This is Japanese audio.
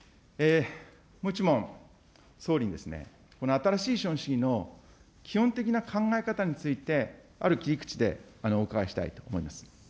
もう１問、総理にこの新しい資本主義の基本的な考え方についてある切り口でお伺いしたいと思います。